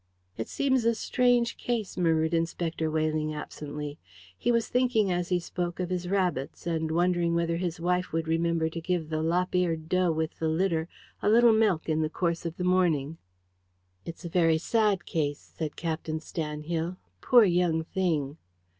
"It seems a strange case," murmured Inspector Weyling absently. He was thinking, as he spoke, of his rabbits, and wondering whether his wife would remember to give the lop eared doe with the litter a little milk in the course of the morning. "It's a very sad case," said Captain Stanhill. "Poor young thing!"